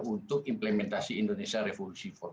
untuk implementasi indonesia revolusi empat